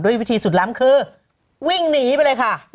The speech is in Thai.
วิธีสุดล้ำคือวิ่งหนีไปเลยค่ะ